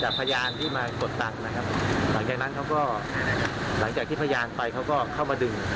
พยานที่มากดตังค์นะครับหลังจากนั้นเขาก็หลังจากที่พยานไปเขาก็เข้ามาดึง